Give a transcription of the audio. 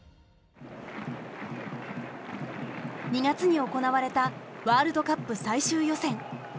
２月に行われたワールドカップ最終予選。